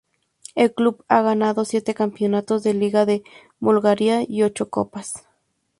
El club ha ganado siete Campeonatos de liga de Bulgaria y ocho Copas.